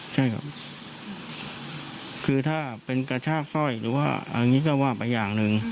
ใช่ครับคือถ้าเป็นกระชากสร้อยหรือว่าอย่างนี้ก็ว่าไปอย่างหนึ่ง